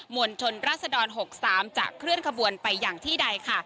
วลชนราศดร๖๓จะเคลื่อนขบวนไปอย่างที่ใดค่ะ